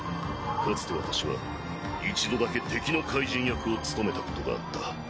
かつて私は一度だけ敵の怪人役を務めたことがあった。